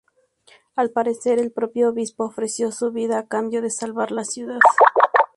Al parecer, el propio obispo ofreció su vida a cambio de salvar la ciudad.